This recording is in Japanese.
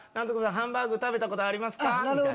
ハンバーグ食べたことありますか？